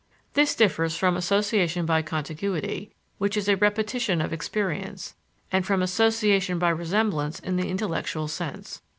This differs from association by contiguity, which is a repetition of experience, and from association by resemblance in the intellectual sense.